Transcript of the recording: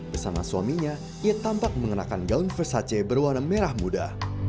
bersama suaminya ia tampak mengenakan gaun versace berwarna merah muda